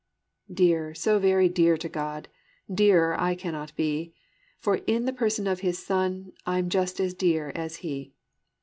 Dear, so very dear to God, Dearer I cannot be; For in the person of His Son, I'm just as dear as He."